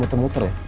ya elah dari tadi